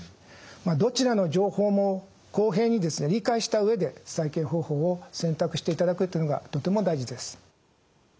どちらの情報も公平に理解した上で再建方法を選択していただくというのがとても大事です。